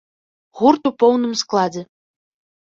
Гурт у поўным складзе.